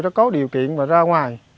đã có điều kiện ra ngoài